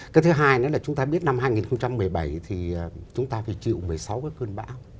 cái thứ hai nữa là chúng ta biết năm hai nghìn một mươi bảy thì chúng ta phải chịu một mươi sáu cái cơn bão